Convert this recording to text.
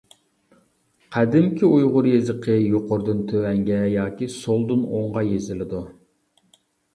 قەدىمكى ئۇيغۇر يېزىقى يۇقىرىدىن تۆۋەنگە ياكى سولدىن ئوڭغا يېزىلىدۇ.